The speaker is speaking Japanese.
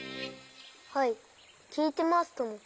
はいきいてますとも。